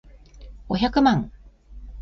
五百万